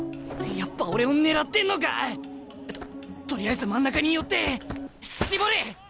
やっぱ俺を狙ってんのか！？ととりあえず真ん中に寄って絞る！